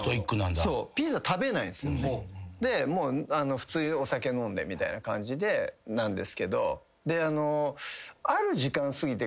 普通にお酒飲んでみたいな感じなんですけど。